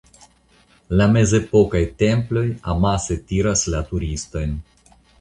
La mezepokaj temploj amase tiras la turistojn.